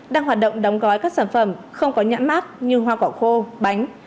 đang hoạt động đóng gói các sản phẩm không có nhãn mát như hoa quả khô bánh